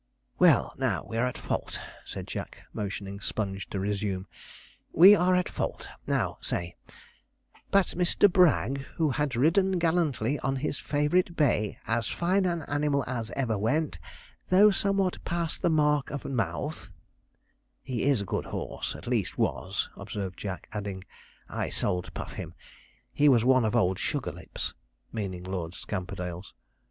'Well, now we are at fault,' said Jack, motioning Sponge to resume; 'we are at fault; now say, "but Mr. Bragg, who had ridden gallantly on his favourite bay, as fine an animal as ever went, though somewhat past mark of mouth " He is a good horse, at least was,' observed Jack, adding, 'I sold Puff him, he was one of old Sugarlip's,' meaning Lord Scamperdale's.